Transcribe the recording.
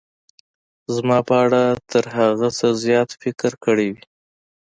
زما په اړه تر هغه څه زیات فکر کړی وي.